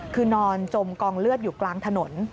คือนอนจมกองเลือดอยู่กลางถนน